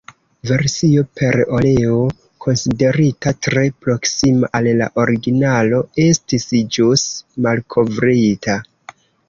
Versio per oleo, konsiderita tre proksima al la originalo, estis ĵus malkovrita.